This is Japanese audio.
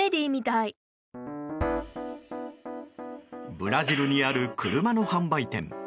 ブラジルにある車の販売店。